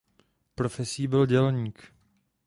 Profesí byl dělník.